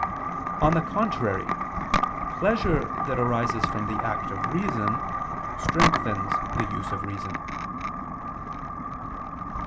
On the contrary, pleasure that arises from the act of reason, strengthens the use of reason.